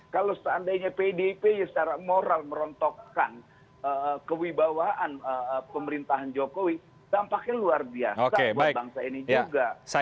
kalau seandainya pdip secara moral merontokkan kewibawaan pemerintahan jokowi dampaknya luar biasa buat bangsa ini juga